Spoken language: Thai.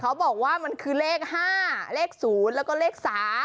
เขาบอกว่ามันคือเลข๕เลข๐แล้วก็เลข๓